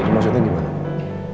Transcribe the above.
ini maksudnya gimana